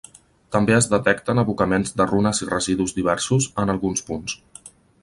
També es detecten abocaments de runes i residus diversos, en alguns punts.